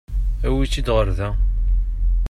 Awi-tt-id ɣer da.